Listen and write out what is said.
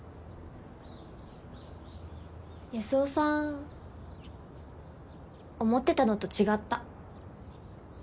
安生さん思ってたのと違った。